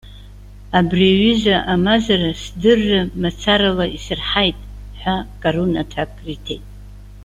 Абри аҩыза амазара сдырра мацарала исырҳаит,- ҳәа Карун аҭак риҭеит.